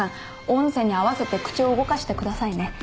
音声に合わせて口を動かしてくださいね。